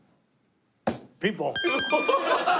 ピンポン。